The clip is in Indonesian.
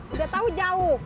udah tau jauh